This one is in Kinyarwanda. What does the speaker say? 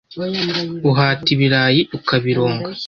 uhata ibirayi ukabironga,